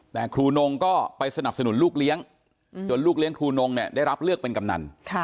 แต่ครูนงก็ไปสนับสนุนลูกเลี้ยงจนลูกเลี้ยงครูนงเนี่ยได้รับเลือกเป็นกำนัน